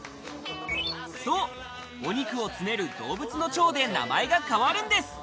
そう、お肉を詰める動物の腸で名前が変わるんです。